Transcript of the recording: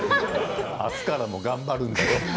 あすからも頑張るんだよ。